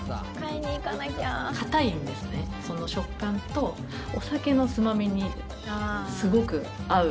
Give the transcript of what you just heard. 硬いんですね、その食感とお酒のつまみにすごく合う。